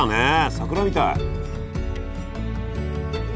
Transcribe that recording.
桜みたい。